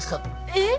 えっ！